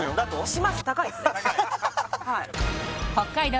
します高いですね北海道